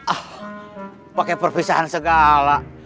ah pake perpisahan segala